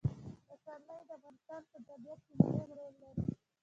پسرلی د افغانستان په طبیعت کې مهم رول لري.